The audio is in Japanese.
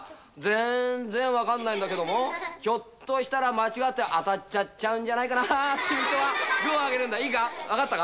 ぜんぜん分かんないんだけどもひょっとしたら間違って当たっちゃっちゃうんじゃないかなっていう人はグーを挙げるんだいいか分かったか。